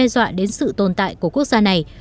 khiến sự tồn tại của quốc gia này